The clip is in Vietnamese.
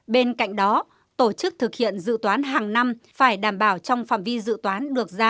bên cạnh đó tổ chức thực hiện dự toán hàng năm phải đảm bảo trong phòng vi dự toán